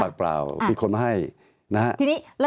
ตั้งแต่เริ่มมีเรื่องแล้ว